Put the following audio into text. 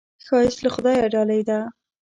ښایست له خدایه ډالۍ ده